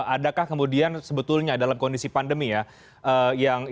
adakah kemudian sebetulnya dalam kondisi pandemi ya